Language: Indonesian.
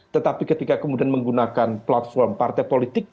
tetapi ketika kemudian menggunakan platform partai politik